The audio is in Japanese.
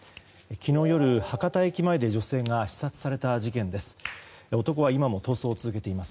昨日夜、博多駅前で女性が刺殺された事件です。